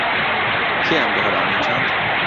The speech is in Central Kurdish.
کێ ئەم دارانەی چاند؟